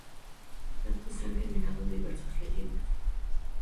Sobre este plato se han generado diversas leyendas.